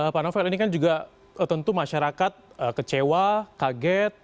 pak novel ini kan juga tentu masyarakat kecewa kaget